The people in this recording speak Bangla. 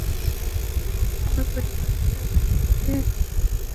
আমার পরিবার ট্রমা থেকে বেরোতে পারেনি।